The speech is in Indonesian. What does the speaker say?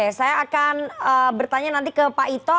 oke saya akan bertanya nanti ke pak ito